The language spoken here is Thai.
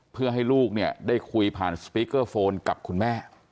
เพื่อให้ลูกเนี่ยได้คุยผ่านสปีกเกอร์โฟนกับคุณแม่